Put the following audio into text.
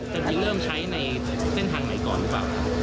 จะเริ่มใช้ในเส้นทางไหนก่อนหรือเปล่า